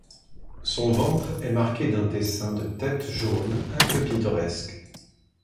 Son ventre est marqué d'un dessin de tête jaune un peu pittoresque.